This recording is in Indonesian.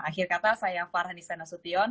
akhir kata saya farhani senasution